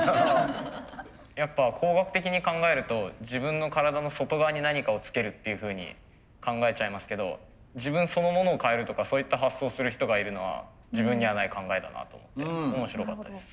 やっぱ工学的に考えると自分の体の外側に何かをつけるっていうふうに考えちゃいますけど自分そのものを変えるとかそういった発想する人がいるのは自分にはない考えだなと思って面白かったです。